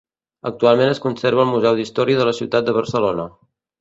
Actualment es conserva al Museu d'Història de la Ciutat de Barcelona.